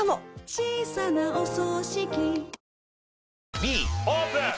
Ｂオープン！